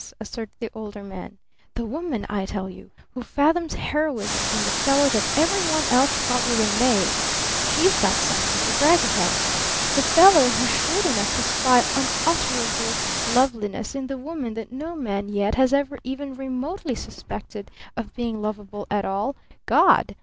asserted the Older Man. "The woman, I tell you, who fathoms heroism in the fellow that every one else thought was a knave she's got something to brag about! The fellow who's shrewd enough to spy unutterable lovableness in the woman that no man yet has ever even remotely suspected of being lovable at all God!